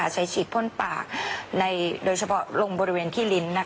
ใช้ฉีดพ่นปากโดยเฉพาะลงบริเวณขี้ลิ้น